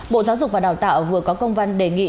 bộ giáo dục và đào tạo vừa có công văn đề nghị